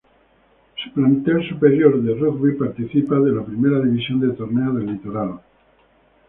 Su plantel superior de Rugby participa de la Primera División del Torneo del Litoral.